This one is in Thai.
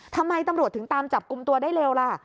ทำไมตำรวจถึงตามจับกลุ่มตัวได้เร็วล่ะ